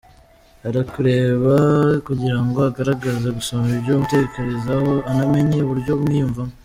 Arakureba kugira ngo agerageza gusoma ibyo umutekerezaho anamenye uburyo umwiyumvamo.